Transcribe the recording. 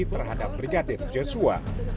terhadap brigadir joshua